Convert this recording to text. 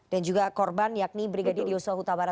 dan juga korban yakni brigadir yusof hutabara